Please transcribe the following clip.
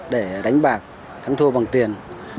để đánh bạc thắng thua bằng tiền